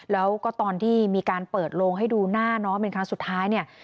แล้วก็ตอนที่มีการเปิดลงให้ดูหน้าน้องแบบนี้ครั้งสุดท้าย